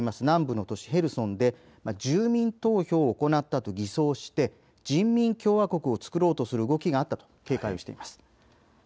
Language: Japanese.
南部の都市へルソンで住民投票を行ったと偽装して人民共和国を作ろうとする動きがあったと警戒をしています。